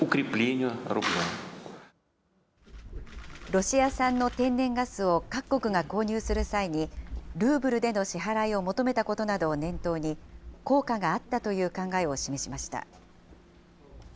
ロシア産の天然ガスを各国が購入する際に、ルーブルでの支払いを求めたことなどを念頭に、効果があったという考えを示しました。